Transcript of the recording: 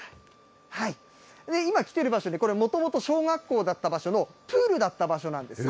今、来ている場所は、これ、もともと小学校だった場所の、プールだった場所なんです。